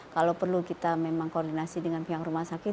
kalau perlu kita memang koordinasi dengan pihak rumah sakit